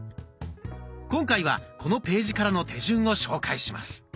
今回はこのページからの手順を紹介します。